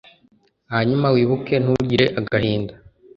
Hanyuma wibuke ntugire agahinda